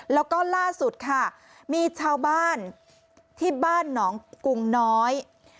แล้วก็ล่าสุดค่ะมีชาวบ้านที่บ้านหนองกุงน้อย